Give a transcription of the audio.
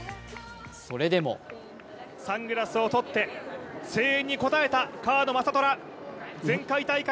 それでもサングラスを取って声援に応えた川野将虎前回大会